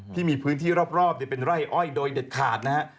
ที่มีพื้นที่รอบเป็นไร่อ้อยโดยเด็ดขาดนะฮะ